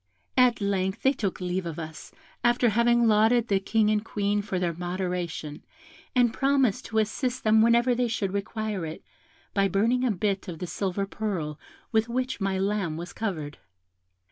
At length they took leave of us, after having lauded the King and Queen for their moderation, and promised to assist them whenever they should require it, by burning a bit of the silver purl with which my lamb was covered.